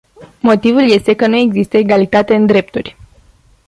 Motivul este că nu există egalitate în drepturi.